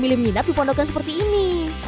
milih milih minat dipondokan seperti ini